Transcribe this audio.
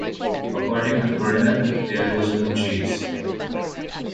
According to Purnell: There was no chase.